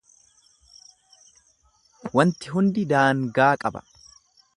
Waanti hundi daangaa qaba.